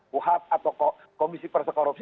buhab atau komisi persekorupsi